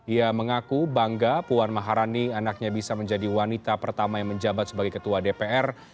ia mengaku bangga puan maharani anaknya bisa menjadi wanita pertama yang menjabat sebagai ketua dpr